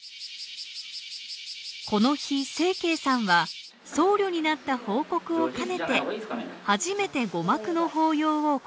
この日晴惠さんは僧侶になった報告を兼ねて初めて護摩供の法要を行います。